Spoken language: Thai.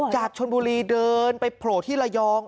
จากชนบุรีเดินไปโผล่ที่ระยอง